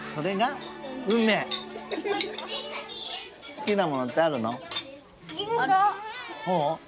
すきなものってあるの？